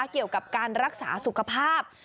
เกี่ยวกับการรักษาสุขภาพ